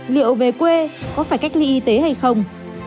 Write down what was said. liệu về quê có phải cách ly y tế hay không